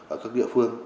ở các địa phương